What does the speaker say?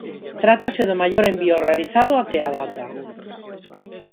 Trátase do "maior envío realizado até a data".